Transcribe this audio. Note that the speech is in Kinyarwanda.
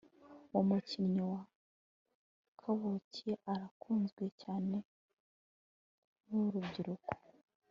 Uwo mukinnyi wa Kabuki arakunzwe cyane nurubyiruko